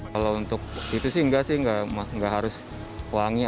kalau untuk itu sih enggak sih nggak harus wangi